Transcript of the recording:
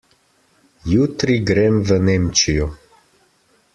Jutri grem v Nemčijo.